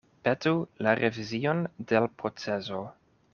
Petu la revizion de l' proceso.